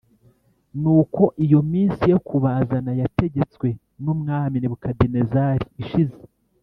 Nuko iyo minsi yo kubazana yategetswe n’Umwami Nebukadinezari ishize